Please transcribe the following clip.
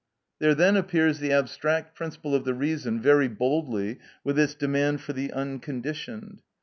There then appears the abstract principle of the reason very boldly with its demand for the unconditioned.